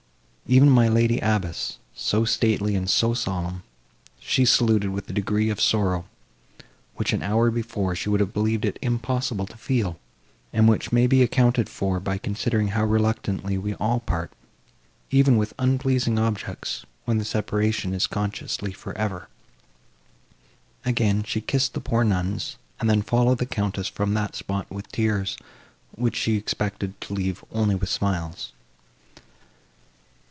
Even my lady abbess, so stately and so solemn, she saluted with a degree of sorrow, which, an hour before, she would have believed it impossible to feel, and which may be accounted for by considering how reluctantly we all part, even with unpleasing objects, when the separation is consciously for ever. Again, she kissed the poor nuns and then followed the Countess from that spot with tears, which she expected to leave only with smiles.